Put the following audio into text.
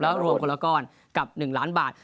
รวมคนละก้อนกับ๑ล้านบาท